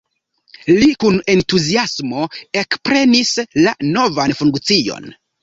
Li kun entuziasmo ekprenis la novan funkcion.